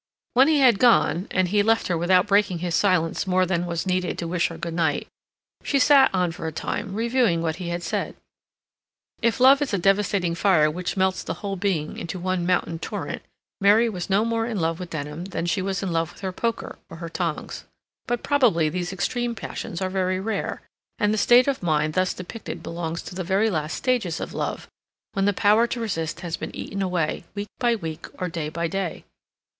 When he had gone, and he left her without breaking his silence more than was needed to wish her good night, she sat on for a time, reviewing what he had said. If love is a devastating fire which melts the whole being into one mountain torrent, Mary was no more in love with Denham than she was in love with her poker or her tongs. But probably these extreme passions are very rare, and the state of mind thus depicted belongs to the very last stages of love, when the power to resist has been eaten away, week by week or day by day.